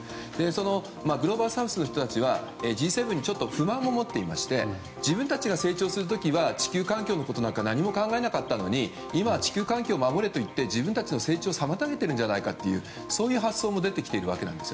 そのグローバルサウスの人たちはＧ７に不満を持っていまして自分たちが成長する時は地球環境のことは何も考えなかったのに今は地球環境を守れと言って自分たちの成長を妨げているんじゃないかという発想も出てきています。